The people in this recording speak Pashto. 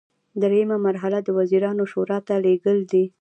دریمه مرحله د وزیرانو شورا ته لیږل دي.